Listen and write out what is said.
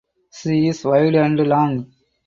She is wide and long.